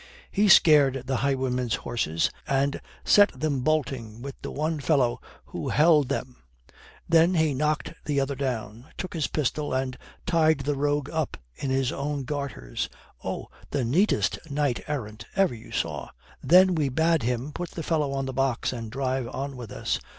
He scared the highwaymen's horses and set them bolting with the one fellow which held them, then he knocked the other down, took his pistol, and tied the rogue up in his own garters. Oh, the neatest knight errant ever you saw. Then we bade him put the fellow on the box and drive on with us.